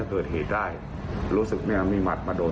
เขาเอาปืนมีตัวเราเหรอ